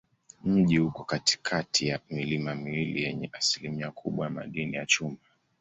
Mji uko katikati ya milima miwili yenye asilimia kubwa ya madini ya chuma.